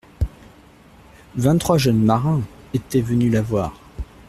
Vingt-trois jeunes marins étaient venus la voir.